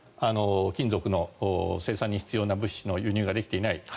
金属の生産に必要な物資の輸入ができていない。